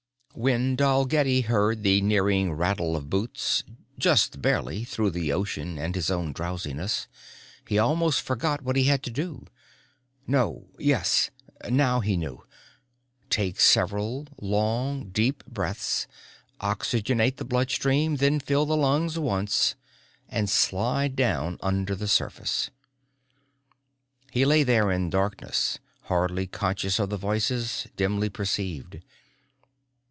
When Dalgetty heard the nearing rattle of boots just barely through the ocean and his own drowsiness he almost forgot what he had to do. No, yes, now he knew. Take several long, deep breaths, oxygenate the bloodstream, then fill the lungs once and slide down under the surface. He lay there in darkness hardly conscious of the voices, dimly perceived.